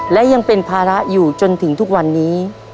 และยังเป็นภาระอยู่จนถึงทุกวันนี้